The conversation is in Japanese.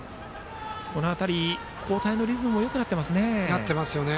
この辺り、交代のリズムもなっていますよね。